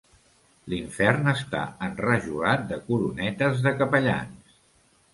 L'infern està enrajolat de coronetes de capellans.